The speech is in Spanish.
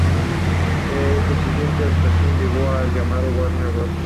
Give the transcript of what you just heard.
Para conseguir estos ritmos se utilizan breaks tomados originalmente de la música funk.